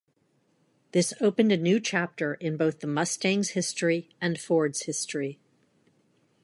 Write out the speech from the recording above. This opened a new chapter in both the Mustang's history and Ford's history.